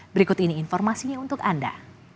berikut ini informasinya untuk anda